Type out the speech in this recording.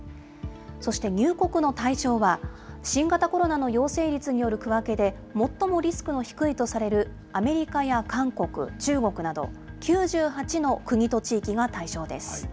そして入国の対象は、新型コロナの陽性率による区分けで最もリスクの低いとされるアメリカや韓国、中国など、９８の国と地域が対象です。